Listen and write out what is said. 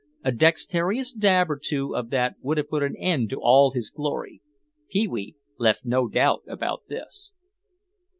A dexterous dab or two of that would have put an end to all his glory. Pee wee left no doubt about this.